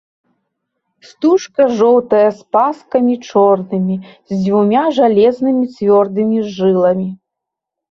Стужка жоўтая з паскамі чорнымі, з дзвюма жалезнымі цвёрдымі жыламі.